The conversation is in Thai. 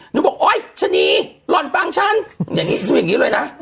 หนูบอกโอ๊ยชะนีหล่อนฟังฉันอย่างนี้คืออย่างนี้เลยนะ